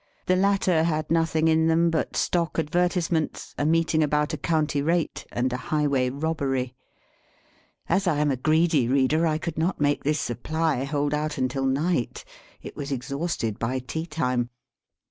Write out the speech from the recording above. The latter had nothing in them but stock advertisements, a meeting about a county rate, and a highway robbery. As I am a greedy reader, I could not make this supply hold out until night; it was exhausted by tea time.